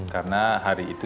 karena hari itu